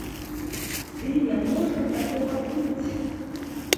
Ды не можа такога быць!